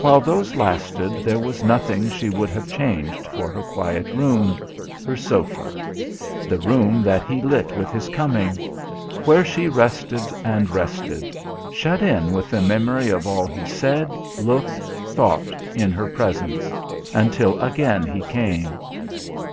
While those lasted there was nothing she would have changed for her quiet room, her sofa: the room that he lit with his coming; where she rested and rested, shut in with the memory of all he said, looked, thought in her presence until again he came.